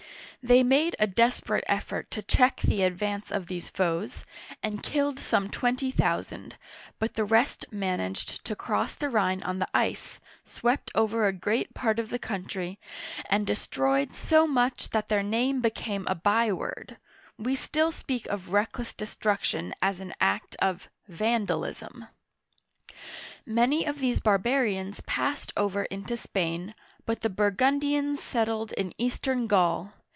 They made a desperate effort to check the advance of these foes, and killed some twenty thousand, but the rest managed to cross the Rhine on the ice, swept over a great part of the country, and destroyed so much that their name became a by word ; we still speak of reckless destruction as an act of "vandalism." Many of these barbarians passed over into Spain, but the Burgundians settled in eastern Gaul.